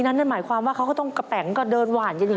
นั่นหมายความว่าเขาก็ต้องกะแป๋งกระเดินหวานอย่างนี้